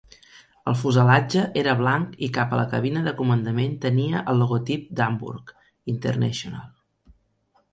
El fuselatge era blanc i cap a la cabina de comandament tenia el logotip d'Hamburg International.